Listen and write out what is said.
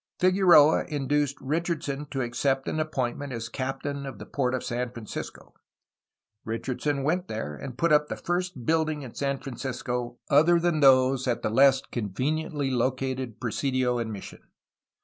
Figueroa induced Richardson to accept an appointment as captain of the port of San Francisco. Richardson went there, and put up the first building in San Francisco other than those at the less conveniently located presidio and mission.